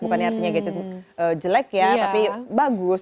bukannya artinya gadget jelek ya tapi bagus